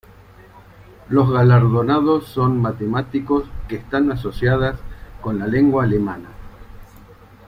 Los galardonados son matemáticos que están asociadas con la lengua alemana.